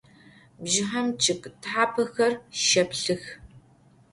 Bjjıhem ççıg thapexer şşeplhıx.